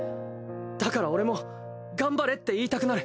だから俺も頑張れって言いたくなる。